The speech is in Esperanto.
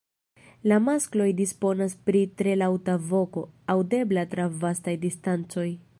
La maskloj disponas pri tre laŭta voko, aŭdebla tra vastaj distancoj.